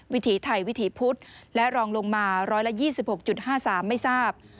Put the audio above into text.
วิถีไทยวิถีพุทธและรองลงมา๑๒๖๕๓ไม่ทราบ